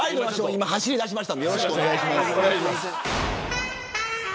今、走りだしました。